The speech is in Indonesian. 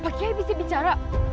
pak kiai bisa bicara